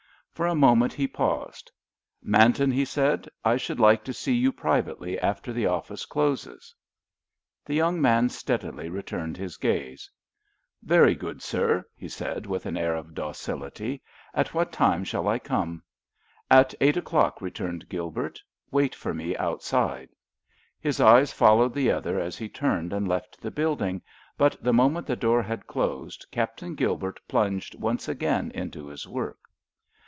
For a moment he paused. "Manton," he said, "I should like to see you privately after the office closes." The young man steadily returned his gaze. "Very good, sir," he said, with an air of docility. "At what time shall I come?" "At eight o'clock," returned Gilbert. "Wait for me outside." His eyes followed the other as he turned and left the building, but the moment the door had closed Captain Gilbert plunged once again into his work.